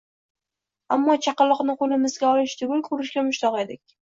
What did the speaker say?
Ammo chaqaloqni qo`limizga olish tugul ko`rishga mushtoq edik